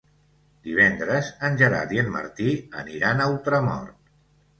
Divendres en Gerard i en Martí aniran a Ultramort.